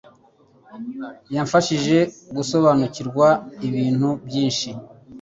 yamfashije gusobanukirwa ibintu byinshi.